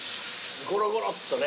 ゴロゴロっとね。